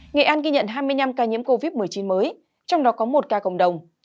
nghệ an ghi nhận hai mươi năm ca nhiễm covid một mươi chín mới trong đó có một ca cộng đồng